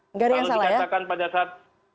enggak ada yang salah ya kalau dikatakan pada saat